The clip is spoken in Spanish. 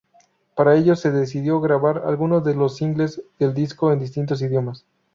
Para ello se decidió grabar algunos de los singles del disco en distintos idiomas.